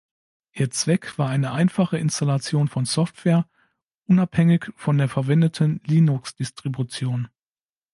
Ihr Zweck war eine einfache Installation von Software, unabhängig von der verwendeten Linux-Distribution.